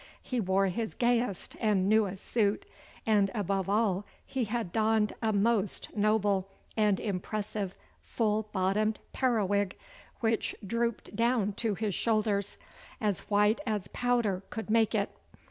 He wore his gayest and newest suit, and above all he had donned a most noble and impressive full bottomed periwig, which drooped down to his shoulders, as white as powder could make it.